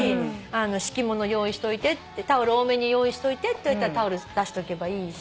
敷物用意しといてタオル多めに用意しといてって言われたらタオル出しとけばいいし。